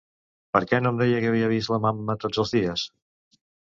Per què no em deia que havia vist la mamma tots els dies?